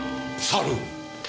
猿！？